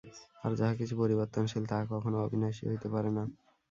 আর যাহা কিছু পরিবর্তনশীল, তাহা কখনও অবিনাশী হইতে পারে না।